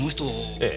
ええ。